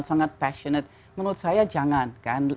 sangat passionate menurut saya jangan kan